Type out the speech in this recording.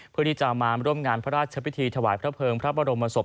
เพื่อที่จะมาร่วมงานพระราชพิธีถวายพระเภิงพระบรมศพ